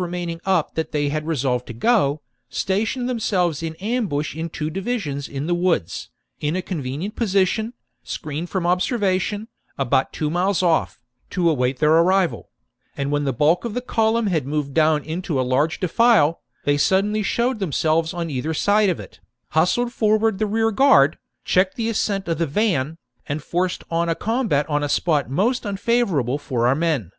2 Or, deleting Ambiorige with Tittler, "that no enemy had counselled them, but the best of friends," etc. 54 B.C. 150 THE DISASTER AT ADUATUCA book selves in ambush in two divisions in the woods, in a convenient position, screened from observation, about two miles off, to await their arrival ; and when the bulk of the column had moved down into a large defile, they suddenly showed them selves on either side of it, hustled forward the rearguard, checked the ascent of the van, and forced on a combat on a spot most unfavourable for our men.